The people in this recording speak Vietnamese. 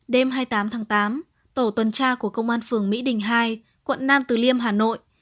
đêm hai mươi tám tháng tám tổ tuần tra của công an phường mỹ đình hai quận nam từ liêm hà nội